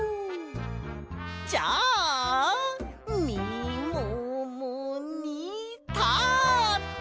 じゃあみももにタッチ！